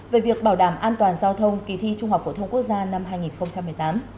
về việc bảo đảm an toàn giao thông kỳ thi trung học phổ thông quốc gia năm hai nghìn một mươi tám